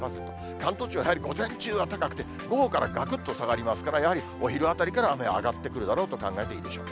関東地方、午前中は高くて、午後からがくっと下がりますから、やはり、お昼あたりから雨は上がってくるだろうと考えていいでしょう。